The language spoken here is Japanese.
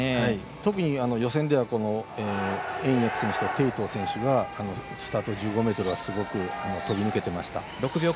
特に予選では袁偉訳選手と鄭濤選手がスタート１５ｍはすごく飛び抜けていました。